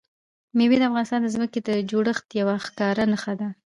مېوې د افغانستان د ځمکې د جوړښت یوه ښکاره نښه ده.